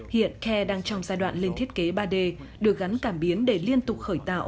hiện care đang trong giai đoạn lên thiết kế ba d được gắn cảm biến để liên tục khởi tạo